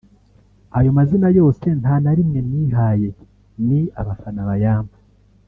Ayo mazina yose nta na rimwe nihaye ni abafana bayampa